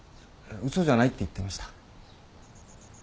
嘘じゃないって言ってました。